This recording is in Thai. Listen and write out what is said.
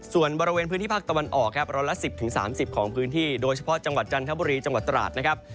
ส่วนบริเวณพื้นที่ภาคตะวันออกครับร้อยละ๑๐๓๐ของพื้นที่โดยเฉพาะจังหวัดจันทบุรีจังหวัดตราดนะครับ